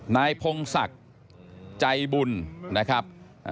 นายพงศักดิ์ใจบุญนะครับ